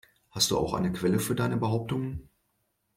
Hast du auch eine Quelle für deine Behauptungen?